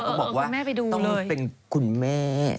ต้องเป็นคุณแม่